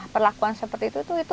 perlakuan seperti itu tuh